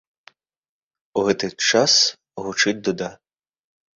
У гэты час гучыць дуда.